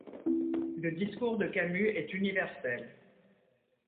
Le discours de Camus est universel.